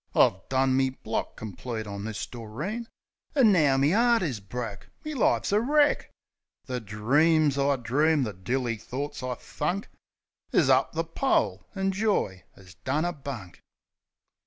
I done me block complete on this Doreen, An' now me 'eart is broke, me life's wreck ! The dreams I dreamed, the dilly thorts I thunk Is up the pole, an' joy 'as done a bunk.